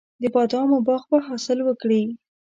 د بادامو باغ به حاصل وکړي.